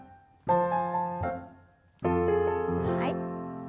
はい。